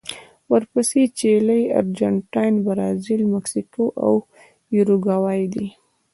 ورپسې چیلي، ارجنټاین، برازیل، مکسیکو او یوروګوای دي.